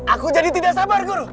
aku jadi tidak sabar guru